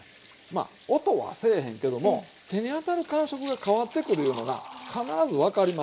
まあ音はせえへんけども手に当たる感触が変わってくるいうのが必ず分かります。